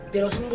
biar lo sembuh